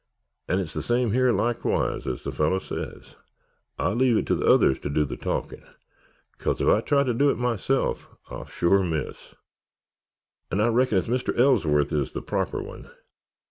'An' it's the same here likewise—ez the feller sez. I leave it to the others t'do th'talkin'—'cause if I try t'do it myself I'll sure miss. 'An' I reckon as Mr. Ellsworth is the proper one.